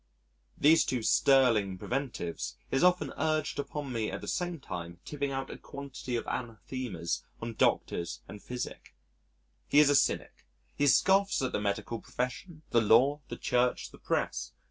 These two sterling preventives he has often urged upon me at the same time tipping out a quantity of anathemas on doctors and physic.... He is a cynic. He scoffs at the medical profession, the Law, the Church, the Press.